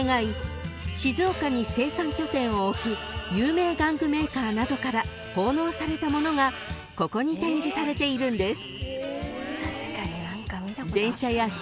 静岡に生産拠点を置く有名玩具メーカーなどから奉納されたものがここに展示されているんです］